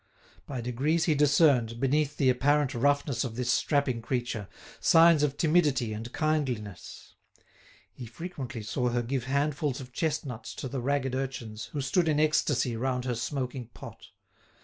By degrees he discerned, beneath the apparent roughness of this strapping creature, signs of timidity and kindliness. He frequently saw her give handfuls of chestnuts to the ragged urchins who stood in ecstasy round her smoking pot.